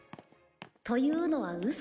というのはウソ。